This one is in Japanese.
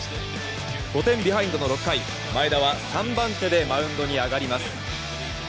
５点ビハインドの６回、前田は３番手でマウンドに上がります。